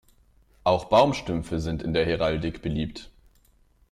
Auch Baumstümpfe sind in der Heraldik beliebt.